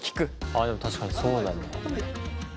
ああでも確かにそうだね。